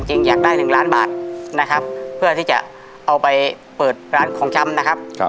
อยากได้๑ล้านบาทนะครับเพื่อที่จะเอาไปเปิดร้านของชำนะครับ